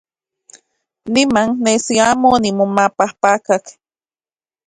Niman nesi amo omimomajpakak.